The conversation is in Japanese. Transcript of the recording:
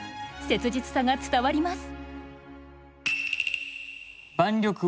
切実さが伝わります。